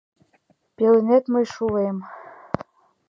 Пеленет мый шулем.